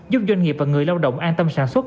giúp doanh nghiệp và người lao động an tâm sản xuất